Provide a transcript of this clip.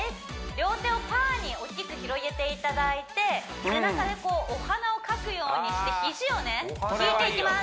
両手をパーに大きく広げていただいて背中でこうお花を描くようにして肘をね引いていきます